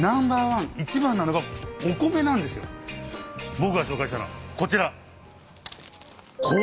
僕が紹介したいのはこちら。